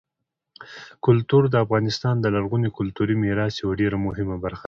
کلتور د افغانستان د لرغوني کلتوري میراث یوه ډېره مهمه برخه ده.